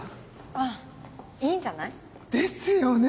あぁいいんじゃない？ですよね。